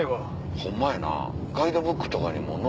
ホンマやなガイドブックとかにも載ってない。